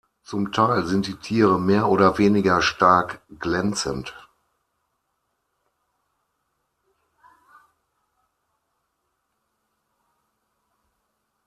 Zum Teil sind die Tiere mehr oder weniger stark glänzend.